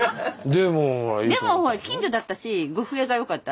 でもほら近所だったし呉服屋がよかった。